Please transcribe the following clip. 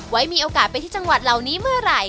มีโอกาสไปที่จังหวัดเหล่านี้เมื่อไหร่